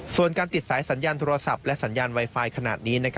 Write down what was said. ส่วนการติดสายสัญญาณโทรศัพท์และสัญญาณไวไฟขนาดนี้